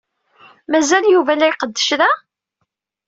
Mazal Yuba la iqeddec da?